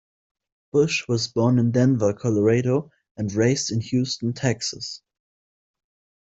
Bush was born in Denver, Colorado, and raised in Houston, Texas.